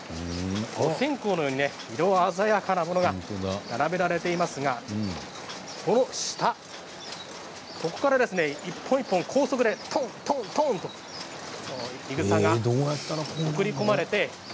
お線香のように色鮮やかなものが並べられていますが、この下ここから一本一本高速でとんとんといぐさが送り込まれて。